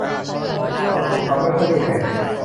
กฎถูกทำไว้เพื่อให้แหก